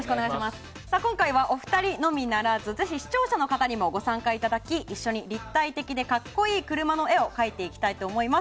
今回はお二人のみならずぜひ視聴者の方にもご参加いただき一緒に立体的で格好いい車の絵を描いていきたいと思います。